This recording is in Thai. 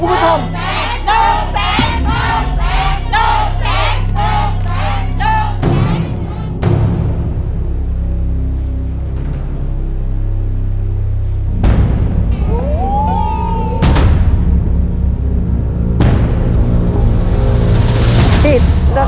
หนูแสนพร้อมแสนหนูแสนพร้อมแสนหนูแสน